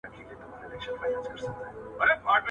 چي خان ئې، په ياران ئې.